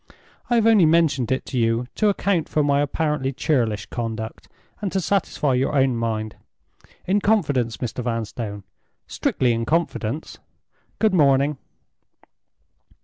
I have only mentioned it to you to account for my apparently churlish conduct and to satisfy your own mind. In confidence, Mr. Vanstone—strictly in confidence. Good morning!"